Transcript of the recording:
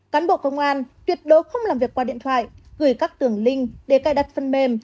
cán bộ công an tuyệt đối không làm việc qua điện thoại gửi các tưởng linh để cài đặt phân mêm